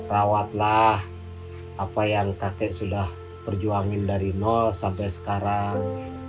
rawatlah apa yang kakek sudah berjuangin dari nol sampai sekarang